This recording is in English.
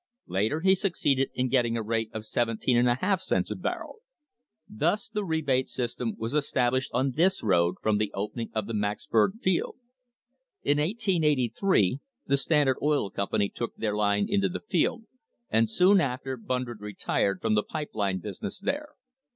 Later he succeeded in getting a rate of 17^ cents a barrel. Thus the rebate system was established on this road from the opening of the Macksburg field. In 1883 the Standard Oil Company took their line into the field, and soon after Brun dred retired from the pipe line business there.